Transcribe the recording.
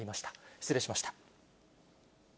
失礼しました。